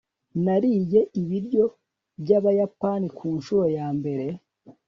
nariye ibiryo byabayapani kunshuro yambere